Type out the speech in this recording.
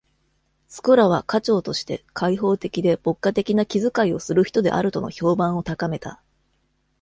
スコラは家長として、開放的で牧歌的な気遣いをする人であるとの評判を高めた。